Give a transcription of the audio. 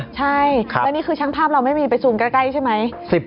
ใช่แล้วนี่คือช่างภาพเราไม่มีไปซูมใกล้ใช่ไหม